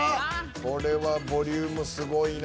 これはボリュームすごいな。